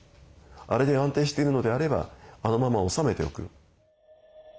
あれで安定しているのであればあのまま治めておく。